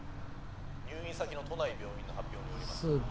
「入院先の都内病院の発表によりますと」